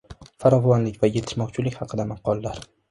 Farovonlik va yetishmovchilik haqida maqollar.